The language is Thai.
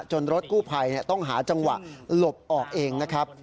รถกู้ภัยต้องหาจังหวะหลบออกเองนะครับ